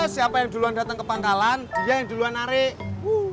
siapa yang duluan datang ke pangkalan dia yang duluan narik